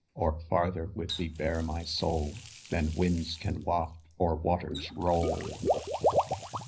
Or farther with thee bear my soul Than winds can waft or waters roll!